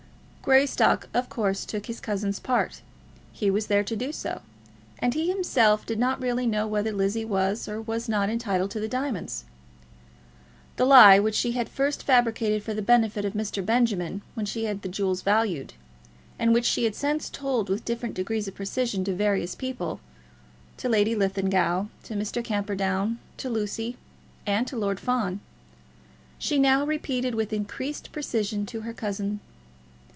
Greystock, of course, took his cousin's part. He was there to do so; and he himself really did not know whether Lizzie was or was not entitled to the diamonds. The lie which she had first fabricated for the benefit of Mr. Benjamin when she had the jewels valued, and which she had since told with different degrees of precision to various people, to Lady Linlithgow, to Mr. Camperdown, to Lucy, and to Lord Fawn, she now repeated with increased precision to her cousin.